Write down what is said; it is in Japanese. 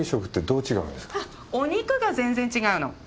あっお肉が全然違うの。